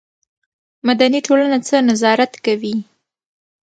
مدني ټولنه څه نظارت کوي؟